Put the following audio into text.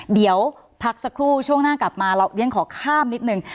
เดี๋ยวพักสักครู่ช่วงหน้ากลับมาเราเรียนขอข้ามนิดนึง